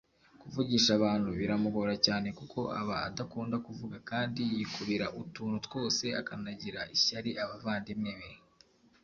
kuvugisha abantu biramugora cyane kuko aba adakunda kuvuga kandi yikubira utuntu twose akanagirira ishyari abavandimwe be